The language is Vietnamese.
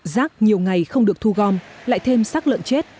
rác nhiều ngày không được thu gom lại thêm sác lợn chết